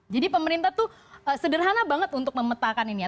jadi pemerintah tuh sederhana banget untuk memetakkan ini ya